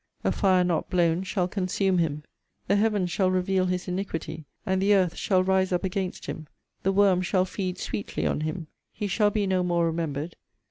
A fire not blown shall consume him. The heaven shall reveal his iniquity, and the earth shall rise up against him. The worm shall feed sweetly on him. He shall be no more remembered.